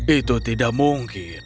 itu tidak mungkin